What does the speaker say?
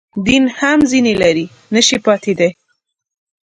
دین هم ځنې لرې نه شي پاتېدای.